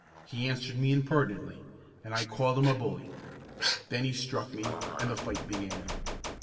He answered me impertinently, and I called him a bully. Then he struck me, and the fight began.